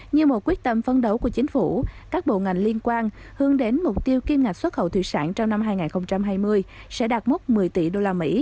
như một quyết tâm phấn đấu của chính phủ các bộ ngành liên quan hướng đến mục tiêu kim ngạch xuất khẩu thủy sản trong năm hai nghìn hai mươi sẽ đạt mốc một mươi tỷ usd